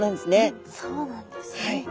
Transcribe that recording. そうなんですね。